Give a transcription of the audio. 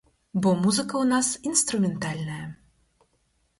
Бо музыка ў нас інструментальная.